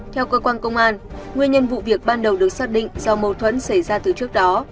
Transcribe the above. theo cơ quan công an nguyên nhân vụ việc ban đầu được xác định do mâu thuẫn xảy ra từ trước đó